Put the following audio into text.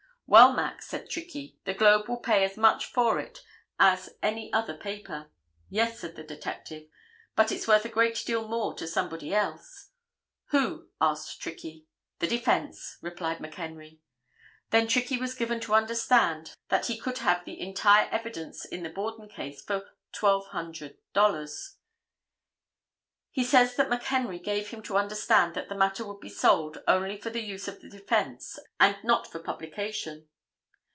"Well Mack" said Trickey "the Globe will pay as much for it as any other paper." "Yes" said the detective, "but it's worth a great deal more to somebody else." "Who?" asked Trickey. "The defense" replied McHenry. Then Trickey was given to understand that he could have the entire evidence in the Borden case for $1200. He says that McHenry gave him to understand that the matter would be sold only for the use of the defense and not for publication.